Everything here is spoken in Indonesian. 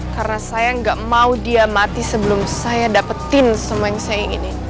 karena saya nggak mau dia mati sebelum saya dapetin semua yang saya inginin